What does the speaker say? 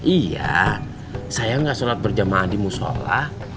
iya saya gak sholat berjamaah di musola